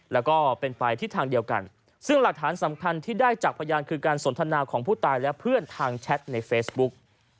แล้วก็เป็นไปทิศทางเดียวกันซึ่งหลักฐานสำคัญที่ได้จากพยานคือการสนทนาของผู้ตายและเพื่อนทางแชทในเฟซบุ๊ก